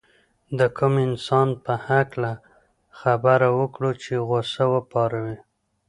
د کوم انسان په هکله خبره وکړو چې غوسه وپاروي.